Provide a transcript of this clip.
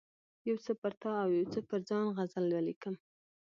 یو څه پر تا او یو څه پر ځان غزل ولیکم.